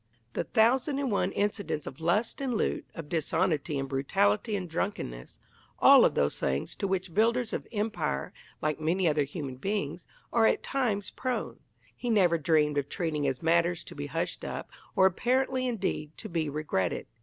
The thousand and one incidents of lust and loot, of dishonesty and brutality and drunkenness all of those things to which builders of Empire, like many other human beings, are at times prone he never dreamed of treating as matters to be hushed up, or, apparently, indeed, to be regretted.